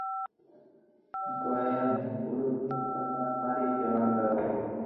ڪو ھي ھون پورو دن پرماتم ري ݾيوا ڪرو ھ